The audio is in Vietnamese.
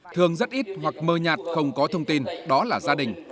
thường rất ít hoặc mơ nhạt không có thông tin đó là gia đình